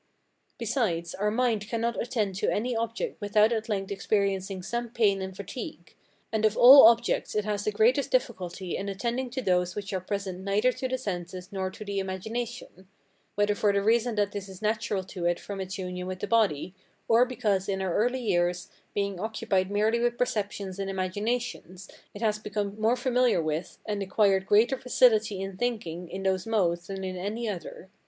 Besides, our mind cannot attend to any object without at length experiencing some pain and fatigue; and of all objects it has the greatest difficulty in attending to those which are present neither to the senses nor to the imagination: whether for the reason that this is natural to it from its union with the body, or because in our early years, being occupied merely with perceptions and imaginations, it has become more familiar with, and acquired greater facility in thinking in those modes than in any other.